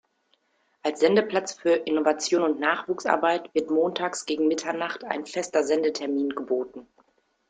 Als Sendeplatz für Innovation und Nachwuchsarbeit wird montags gegen Mitternacht ein fester Sendetermin geboten.